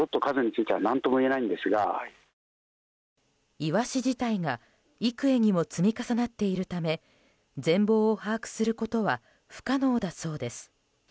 イワシ自体が幾重にも積み重なっているため全貌を把握することは不可能だそうです。